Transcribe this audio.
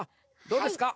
どうですか？